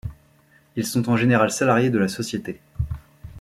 Ils sont en général salariés de la société.